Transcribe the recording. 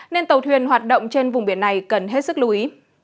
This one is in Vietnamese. nên tàu thuyền hoạt động trên vùng biển này cần hết sức lưu ý